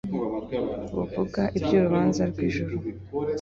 buvuga ibyurubanza rwijuru